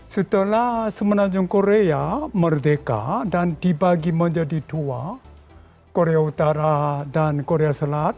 setelah semenanjung korea merdeka dan dibagi menjadi dua korea utara dan korea selatan